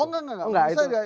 oh enggak enggak enggak